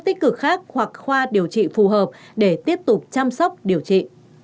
các đơn vị hồi sức khác hoặc khoa điều trị phù hợp để tiếp tục chăm sóc điều trị